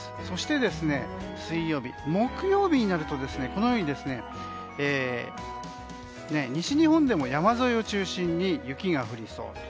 そして水曜日、木曜日になるとこのように西日本でも山沿いを中心に雪が降りそう。